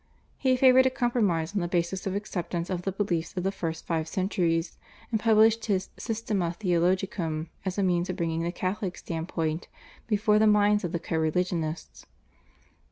He favoured a compromise on the basis of acceptance of the beliefs of the first five centuries, and published his /Systema Theologicum/ as a means of bringing the Catholic standpoint before the minds of his co religionists.